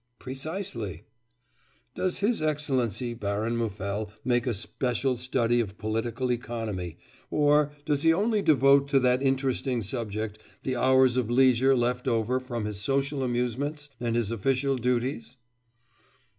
'Precisely.' 'Does his excellency Baron Muffel make a special study of political economy, or does he only devote to that interesting subject the hours of leisure left over from his social amusements and his official duties?